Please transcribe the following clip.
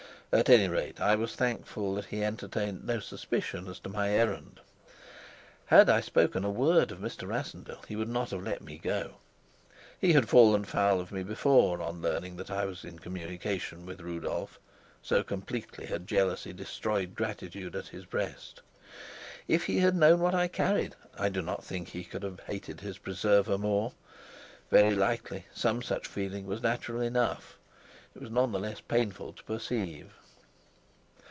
At any rate I was thankful that he entertained no suspicion as to my errand. Had I spoken a word of Mr. Rassendyll he would not have let me go. He had fallen foul of me before on learning that I was in communication with Rudolf; so completely had jealousy destroyed gratitude in his breast. If he had known what I carried, I do not think that he could have hated his preserver more. Very likely some such feeling was natural enough; it was none the less painful to perceive.